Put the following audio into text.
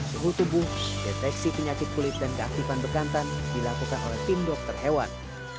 suhu tubuh deteksi penyakit kulit dan keaktifan bekantan dilakukan oleh tim dokter hewan